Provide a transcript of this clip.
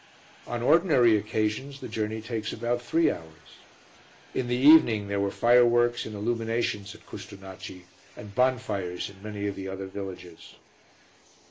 On ordinary occasions the journey takes about three hours. In the evening there were fireworks and illuminations at Custonaci and bonfires in many of the other villages.